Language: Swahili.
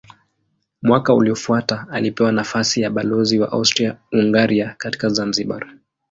Mwaka uliofuata alipewa nafasi ya balozi wa Austria-Hungaria katika Zanzibar.